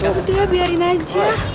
ya udah biarin aja